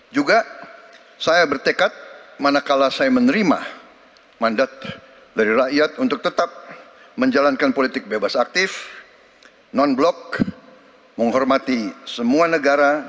juga saya bertekad manakala saya menerima mandat dari rakyat untuk tetap menjalankan politik bebas aktif non blok menghormati semua negara menjadi tetangga baik bagi semua negara di kawasan kita